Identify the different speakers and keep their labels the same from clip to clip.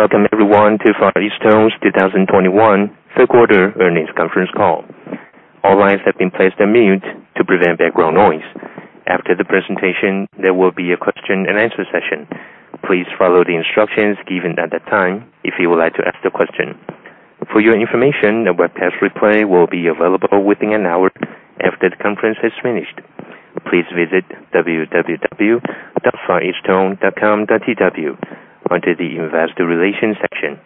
Speaker 1: Welcome everyone to Far EasTone's 2021 Third Quarter Earnings Conference Call. All lines have been placed on mute to prevent background noise. After the presentation, there will be a question-and-answer session. Please follow the instructions given at that time if you would like to ask a question. For your information, the webcast replay will be available within an hour after the conference has finished. Please visit www.fareastone.com.tw under the Investor Relations section.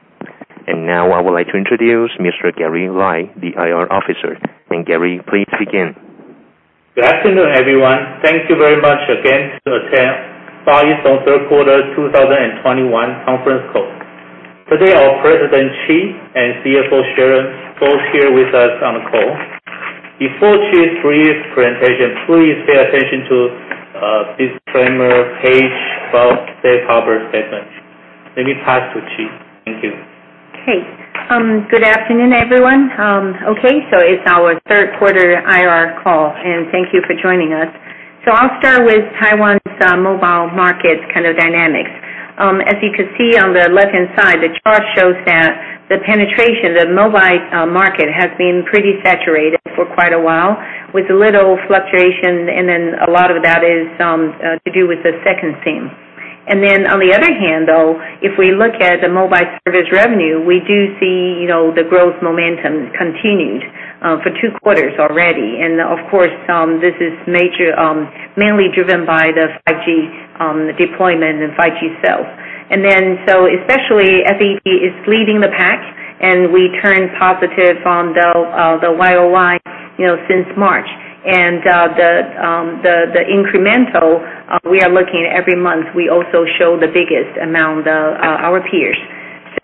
Speaker 1: Now I would like to introduce Mr. Gary Lai, the IR Officer. Gary, please begin.
Speaker 2: Good afternoon, everyone. Thank you very much again to attend Far EasTone Third Quarter 2021 Conference Call. Today, our President, Chee, and CFO, Sharon, both here with us on the call. Before Chee's brief presentation, please pay attention to this primer page about the cover statement. Let me pass to Chee. Thank you.
Speaker 3: Okay. Good afternoon, everyone. It's our third quarter IR call, and thank you for joining us. I'll start with Taiwan's mobile market kind of dynamics. As you can see on the left-hand side, the chart shows that the penetration, the mobile, market has been pretty saturated for quite a while, with little fluctuation, and then a lot of that is to do with the second SIM. On the other hand, though, if we look at the mobile service revenue, we do see, you know, the growth momentum continued for two quarters already. Of course, this is mainly driven by the 5G deployment and 5G sales. Especially, FET is leading the pack, and we turned positive on the YOY, you know, since March. The incremental we are looking at every month, we also show the biggest among our peers.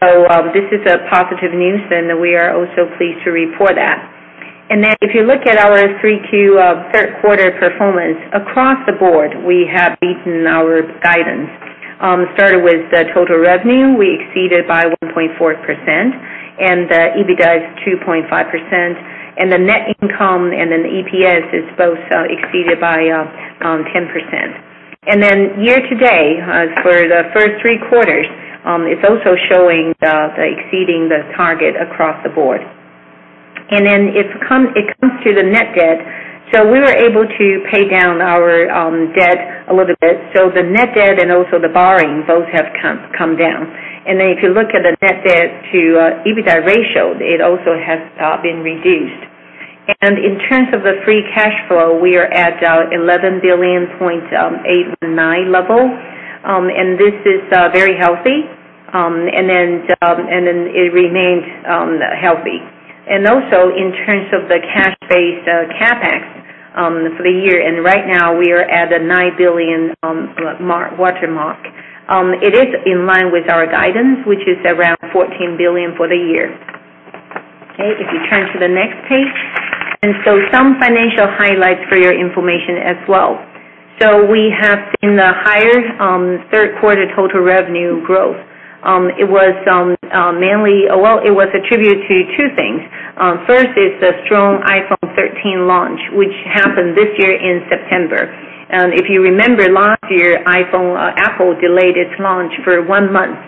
Speaker 3: This is positive news, and we are also pleased to report that. If you look at our third quarter performance, across the board, we have beaten our guidance. Started with the total revenue, we exceeded by 1.4%, and the EBITDA is 2.5%, and the net income and then EPS is both exceeded by 10%. Year-to-date for the first three quarters, it's also showing exceeding the target across the board. If it comes to the net debt, we were able to pay down our debt a little bit. The net debt and also the borrowing both have come down. If you look at the net debt to EBITDA ratio, it also has been reduced. In terms of the free cash flow, we are at 11.89 billion level. This is very healthy. It remains healthy. In terms of the cash-based CapEx for the year, right now we are at a 9 billion watermark. It is in line with our guidance, which is around 14 billion for the year. Okay, if you turn to the next page. Some financial highlights for your information as well. We have seen a higher third quarter total revenue growth. It was mainly, well, it was attributed to two things. First is the strong iPhone 13 launch, which happened this year in September. If you remember last year, iPhone, Apple delayed its launch for one month.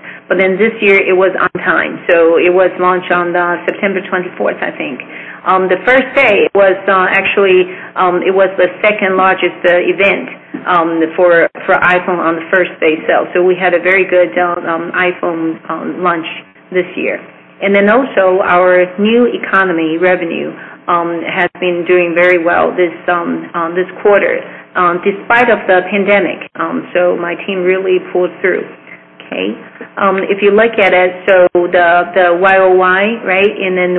Speaker 3: This year it was on time, so it was launched on September 24, I think. The first day was actually the second-largest event for iPhone on the first-day sale. We had a very good iPhone launch this year. Also our new economy revenue has been doing very well this quarter despite of the pandemic. My team really pulled through, okay? If you look at it, the YOY, right?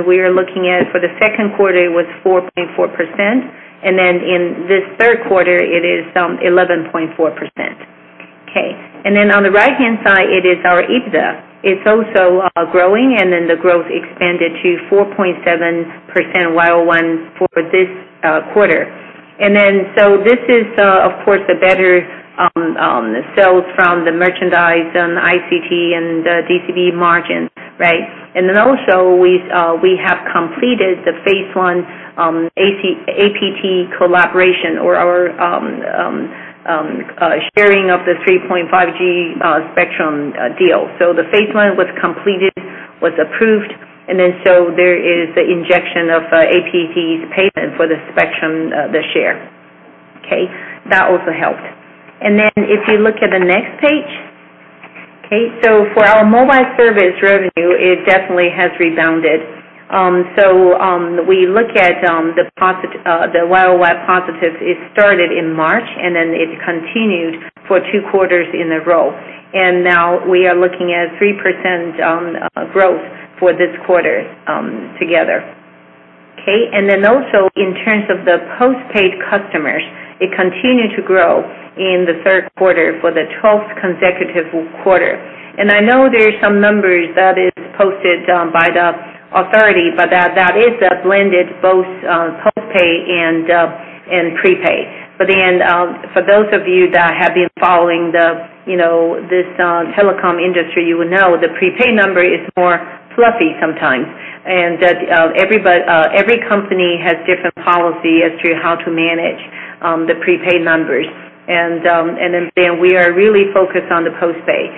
Speaker 3: We are looking at for the second quarter, it was 4.4%. In this third quarter, it is 11.4%. On the right-hand side, it is our EBITDA. It's also growing, the growth expanded to 4.7% YOY for this quarter. This is of course the better sales from the merchandise and ICT and DCB margins, right? Also, we have completed the phase I APT collaboration or our sharing of the 3.5 5G spectrum deal. The phase I was completed, was approved, there is the injection of APT's payment for the spectrum, the share. That also helped. If you look at the next page. For our mobile service revenue, it definitely has rebounded. We look at the YOY positives. It started in March, and then it continued for two quarters in a row. Now we are looking at 3% growth for this quarter together, okay? In terms of the post-paid customers, it continued to grow in the third quarter for the 12th consecutive quarter. I know there are some numbers that is posted by the authority, but that is a blended both postpaid and prepaid. For those of you that have been following the, you know, this telecom industry, you will know the prepaid number is more fluffy sometimes. That every company has different policy as to how to manage the prepaid numbers. We are really focused on the postpaid.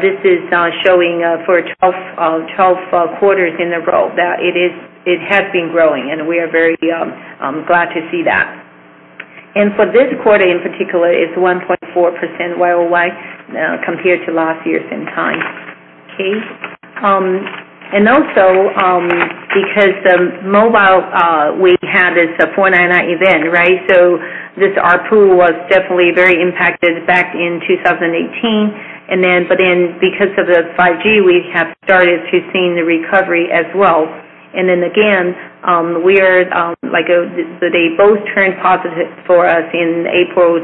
Speaker 3: This is showing for 12 quarters in a row that it has been growing, and we are very glad to see that. For this quarter in particular, it's 1.4% year-over-year compared to last year's same time. Because the mobile, we had a 499 event, right? This ARPU was definitely very impacted back in 2018. But then because of the 5G, we have started to see the recovery as well. Like, they both turned positive for us in the March-April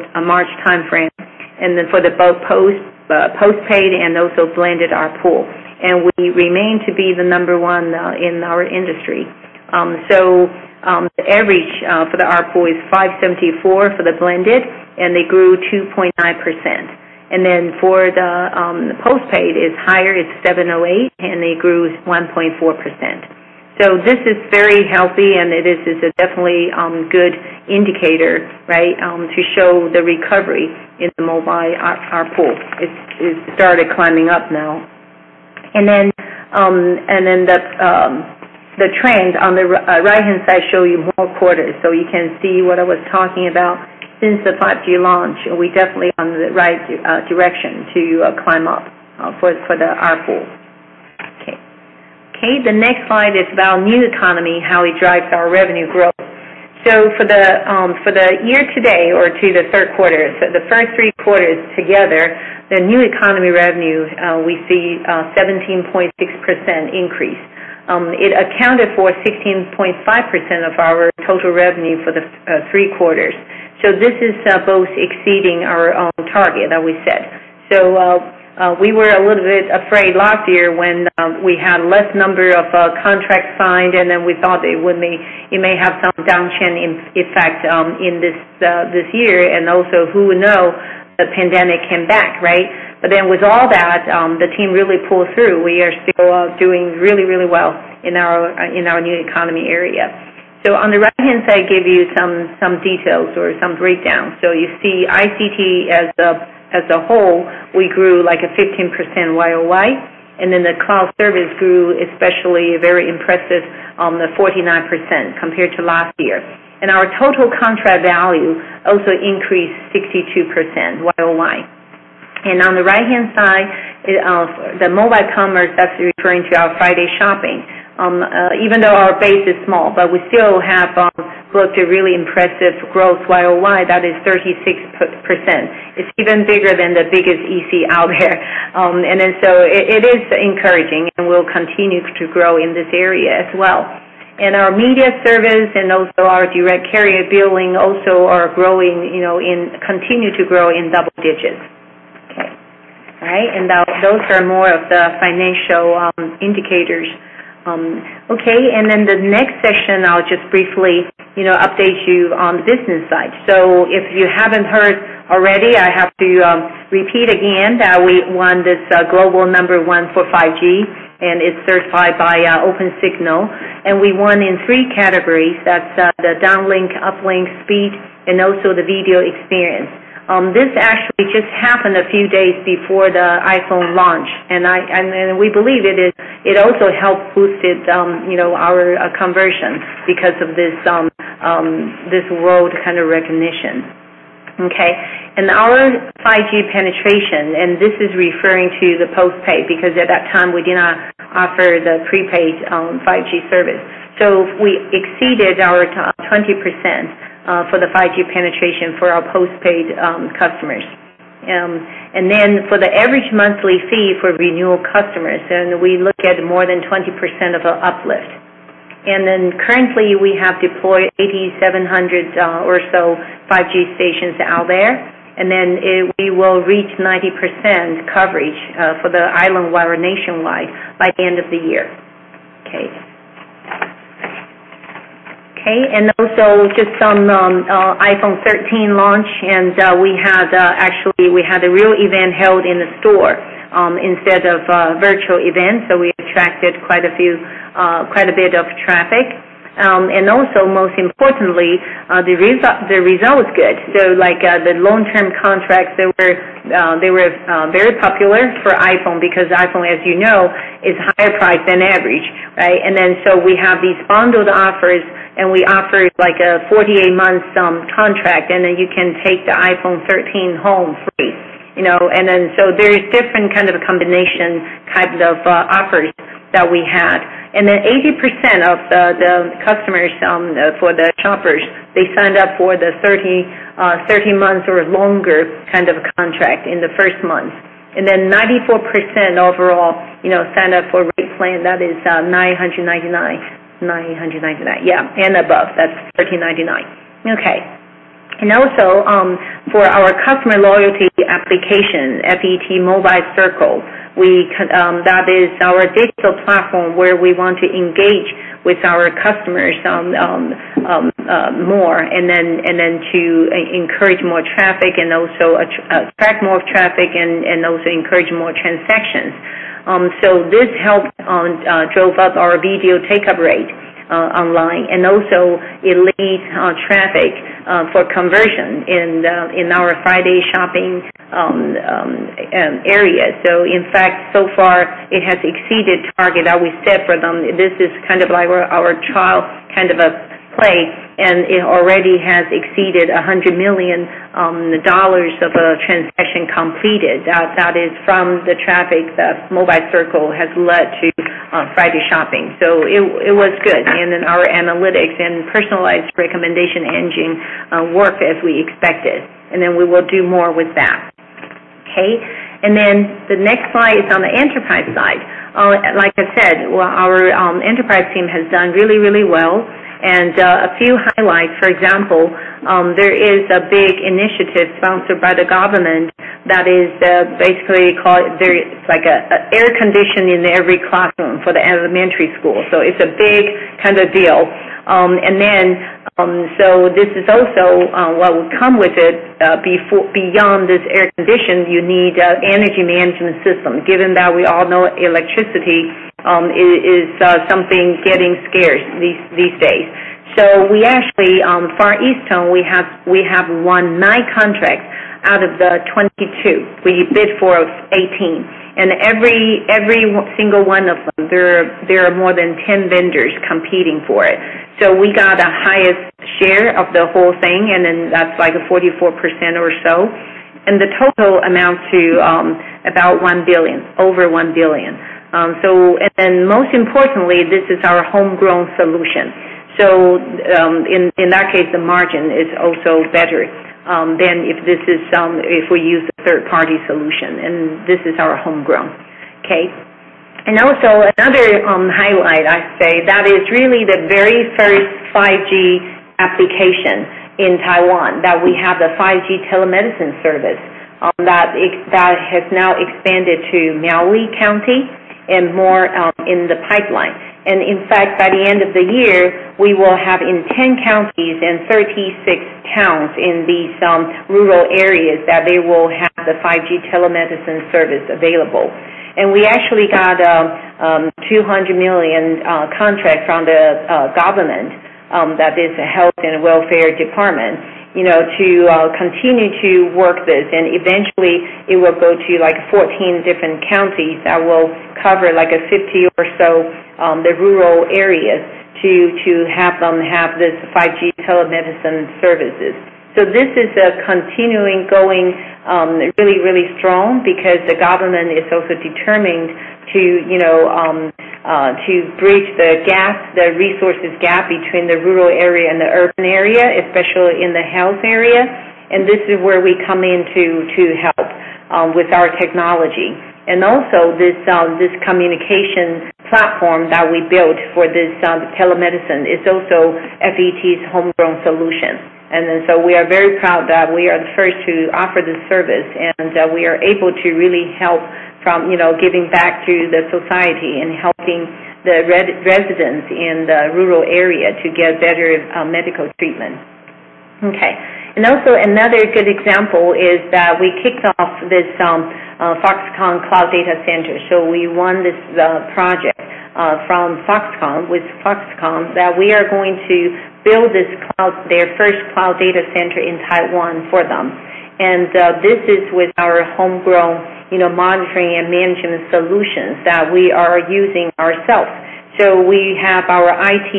Speaker 3: timeframe, and then for both postpaid and also blended ARPU. We remain to be the number one in our industry. The average for the ARPU is 574 for the blended, and they grew 2.9%. The postpaid is higher, it's 708, and they grew 1.4%. This is very healthy, and it is a definitely good indicator, right, to show the recovery in the mobile ARPU. It's started climbing up now. The trend on the right-hand side shows you more quarters, so you can see what I was talking about since the 5G launch. We definitely on the right direction to climb up for the ARPU. Okay, the next slide is about new economy, how it drives our revenue growth. For the year-to-date or to the third quarter, the first three quarters together, the new economy revenue, we see 17.6% increase. It accounted for 16.5% of our total revenue for the three quarters. This is both exceeding our own target that we set. We were a little bit afraid last year when we had less number of contracts signed, and then we thought it would may have some downstream effect in this year. Also who would know the pandemic came back, right? With all that, the team really pulled through. We are still doing really well in our new economy area. On the right-hand side, give you some details or some breakdown. You see ICT as a whole, we grew like 15% year-over-year. The cloud service grew especially very impressive on the 49% compared to last year. Our total contract value also increased 62% year-over-year. On the right-hand side, the mobile commerce that's referring to our friDay shopping, even though our base is small, but we still have posted really impressive growth year-over-year, that is 36%. It's even bigger than the biggest EC out there. It is encouraging, and we'll continue to grow in this area as well. Our media service and also our direct carrier billing also are growing, you know, continue to grow in double digits. Okay. All right. Now those are more of the financial indicators. Okay, the next section, I'll just briefly, you know, update you on the business side. If you haven't heard already, I have to repeat again that we won this global number one for 5G, and it's certified by Opensignal. We won in three categories. That's the downlink, uplink speed and also the video experience. This actually just happened a few days before the iPhone launch, and we believe it also helped boosted, you know, our conversion because of this this world kind of recognition. Okay. Our 5G penetration, and this is referring to the postpaid because at that time, we did not offer the prepaid 5G service. We exceeded our 20% for the 5G penetration for our postpaid customers. For the average monthly fee for renewal customers, we look at more than 20% of a uplift. Currently, we have deployed 8,700 or so 5G stations out there. We will reach 90% coverage for the islandwide or nationwide by the end of the year. Okay. Okay, also just on iPhone 13 launch, we had actually a real event held in the store instead of virtual event. We attracted quite a few, quite a bit of traffic. Also most importantly, the results are good. Like, the long-term contracts, they were very popular for iPhone because iPhone, as you know, is higher price than average, right? We have these bundled offers, and we offer like a 48-month contract, and then you can take the iPhone 13 home free, you know. There is different kind of combination types of offers that we had. 80% of the customers for the shoppers, they signed up for the 30 months or longer kind of contract in the first month. 94% overall, you know, signed up for rate plan that is 999 and above, that's 1,399. Okay. For our customer loyalty application, FET Mobile Circle, that is our digital platform where we want to engage with our customers more and then to encourage more traffic and also attract more traffic and also encourage more transactions. This helped drive up our video take-up rate online and also it leads traffic for conversion in our friDay shopping area. In fact, so far it has exceeded target that we set for them. This is kind of like our trial kind of a play, and it already has exceeded 100 million dollars of transaction completed. That is from the traffic that Mobile Circle has led to friDay shopping. It was good. Our analytics and personalized recommendation engine work as we expected. We will do more with that. Okay. The next slide is on the enterprise side. Like I said, our enterprise team has done really well. A few highlights, for example, there is a big initiative sponsored by the government that is basically called air conditioning in every classroom for the elementary school. It's a big kind of deal. This is also what would come with it, beyond this air conditioning, you need energy management system, given that we all know electricity is something getting scarce these days. We actually, Far EasTone, we have won 9 contracts out of the 22. We bid for 18. Every single one of them, there are more than 10 vendors competing for it. We got the highest share of the whole thing, and then that's like a 44% or so. The total amounts to about 1 billion, over 1 billion. Most importantly, this is our homegrown solution. In that case, the margin is also better than if we use a third-party solution, and this is our homegrown, okay? Another highlight, I say, that is really the very first 5G application in Taiwan, that we have the 5G telemedicine service that has now expanded to Miaoli County and more in the pipeline. In fact, by the end of the year, we will have in 10 counties and 36 towns in these rural areas that they will have the 5G telemedicine service available. We actually got 200 million contract from the government that is Ministry of Health and Welfare, you know, to continue to work this. Eventually it will go to, like, 14 different counties that will cover like 50 or so the rural areas to have them have this 5G telemedicine services. This is continuing going really, really strong because the government is also determined to, you know, to bridge the gap, the resources gap between the rural area and the urban area, especially in the health area. This is where we come in to help with our technology. This communication platform that we built for this telemedicine is also FET's homegrown solution. We are very proud that we are the first to offer this service, and we are able to really help from, you know, giving back to the society and helping the residents in the rural area to get better medical treatment. Another good example is that we kicked off this Foxconn cloud data center. We won this project from Foxconn, with Foxconn, that we are going to build this cloud, their first cloud data center in Taiwan for them. This is with our homegrown, you know, monitoring and management solutions that we are using ourselves. We have our IT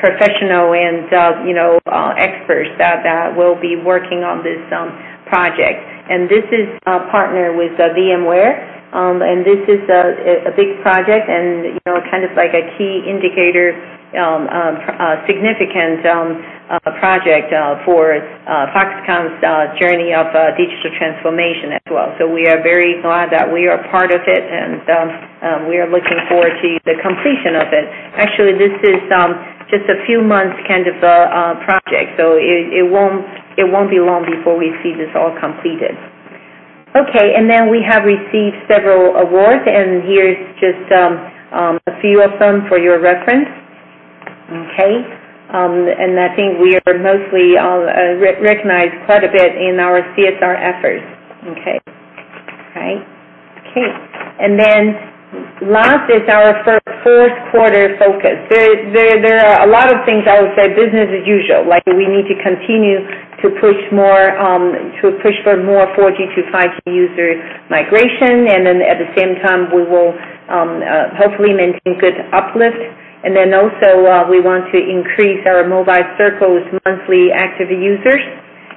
Speaker 3: professionals and, you know, experts that will be working on this project. This is a partnership with VMware. This is a big project and, you know, kind of like a key indicator, a significant project for Foxconn's journey of digital transformation as well. We are very glad that we are part of it, and we are looking forward to the completion of it. Actually, this is just a few months kind of project, so it won't be long before we see this all completed. Okay. We have received several awards, and here's just a few of them for your reference. Okay. I think we are mostly recognized quite a bit in our CSR efforts. Okay. Right. Okay. Last is our first quarter focus. There are a lot of things I would say business as usual. Like, we need to continue to push more, to push for more 4G to 5G user migration. At the same time, we will hopefully maintain good uplift. Also, we want to increase our Mobile Circle's monthly active users.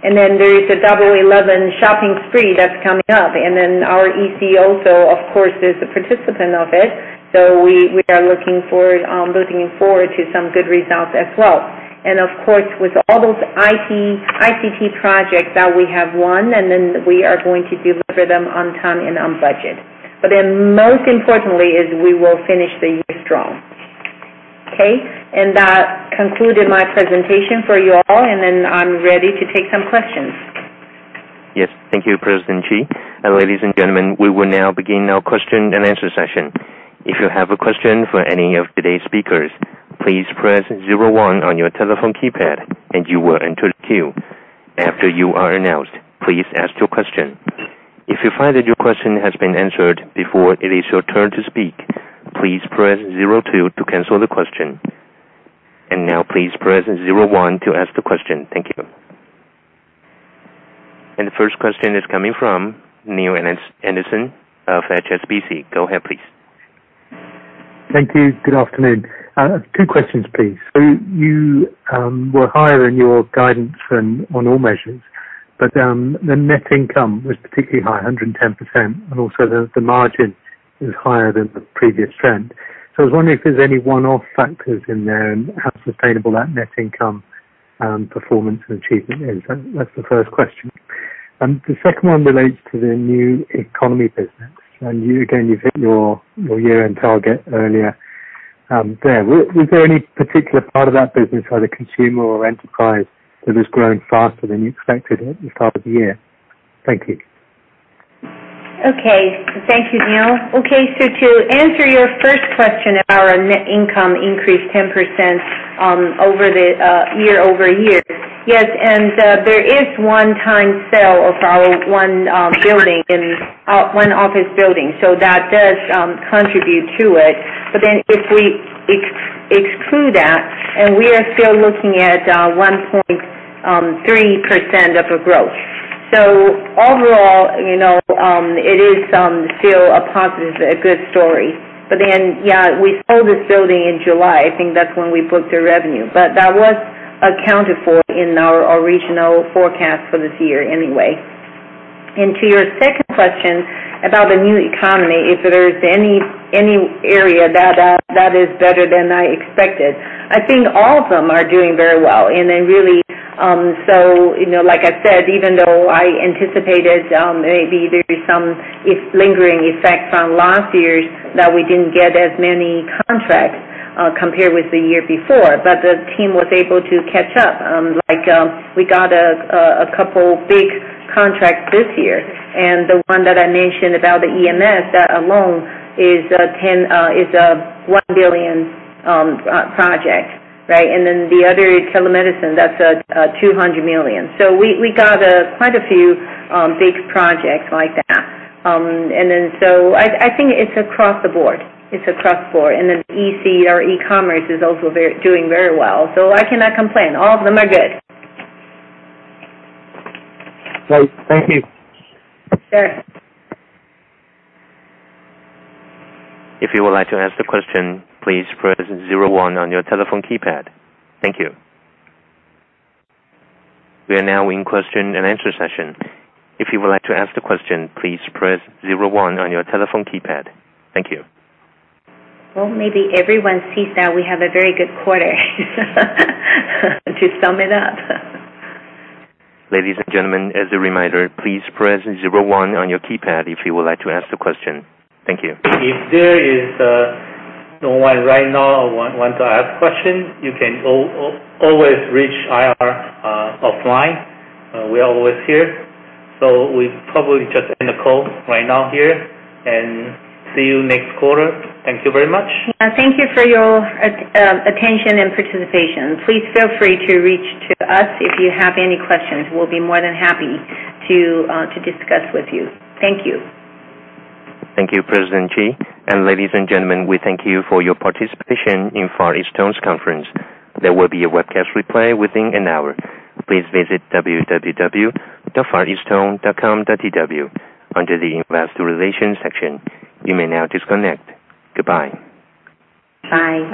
Speaker 3: There is a double eleven shopping spree that's coming up. Our EC also, of course, is a participant of it. We are looking forward to some good results as well. Of course, with all those IT, ICT projects that we have won, we are going to deliver them on time and on budget. Most importantly, we will finish the year strong. Okay? That concluded my presentation for you all, and then I'm ready to take some questions.
Speaker 1: Yes. Thank you, President Chee. Ladies and gentlemen, we will now begin our question-and-answer session. If you have a question for any of today's speakers, please press zero one on your telephone keypad, and you will enter the queue. After you are announced, please ask your question. If you find that your question has been answered before it is your turn to speak, please press zero two to cancel the question. Now please press zero one to ask the question. Thank you. The first question is coming from Neale Anderson of HSBC. Go ahead, please.
Speaker 4: Thank you. Good afternoon. Two questions, please. You were higher than your guidance on all measures, but the net income was particularly high, 110%, and also the margin was higher than the previous trend. I was wondering if there's any one-off factors in there and how sustainable that net income performance and achievement is. That's the first question. The second one relates to the new economy business. You again, you've hit your year-end target earlier there. Was there any particular part of that business, either consumer or enterprise, that is growing faster than you expected at the start of the year? Thank you.
Speaker 3: Okay. Thank you, Neale. Okay, to answer your first question, our net income increased 10% year-over-year. Yes, there is one-time sale of our one office building. That does contribute to it. If we exclude that, and we are still looking at 1.3% growth. Overall, you know, it is still a positive, good story. Yeah, we sold this building in July. I think that's when we booked the revenue. That was accounted for in our original forecast for this year anyway. To your second question about the new economy, if there is any area that is better than I expected, I think all of them are doing very well, and they really, so you know, like I said, even though I anticipated, maybe there's some lingering effect from last year's that we didn't get as many contracts, compared with the year before, but the team was able to catch up. Like, we got a couple big contracts this year, and the one that I mentioned about the EMS, that alone is a TWD 1 billion project, right? And then the other telemedicine, that's a 200 million. So we got quite a few big projects like that. And then so I think it's across the board. EC or e-commerce is also doing very well. I cannot complain. All of them are good.
Speaker 4: Great. Thank you.
Speaker 3: Sure.
Speaker 1: If you would like to ask the question, please press zero one on your telephone keypad. Thank you. We are now in question-and-answer session. If you would like to ask the question, please press zero one on your telephone keypad. Thank you.
Speaker 3: Well, maybe everyone sees that we have a very good quarter to sum it up.
Speaker 1: Ladies and gentlemen, as a reminder, please press zero one on your keypad if you would like to ask the question. Thank you.
Speaker 2: If there is no one right now wants to ask question, you can always reach IR offline. We are always here. We probably just end the call right now here and see you next quarter. Thank you very much.
Speaker 3: Yeah. Thank you for your attention and participation. Please feel free to reach out to us if you have any questions. We'll be more than happy to discuss with you. Thank you.
Speaker 1: Thank you, President Chee. Ladies and gentlemen, we thank you for your participation in Far EasTone's conference. There will be a webcast replay within an hour. Please visit www.fareastone.com.tw under the Investor Relations section. You may now disconnect. Goodbye.
Speaker 3: Bye.